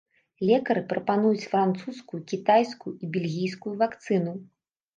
Лекары прапануюць французскую, кітайскую і бельгійскую вакцыну.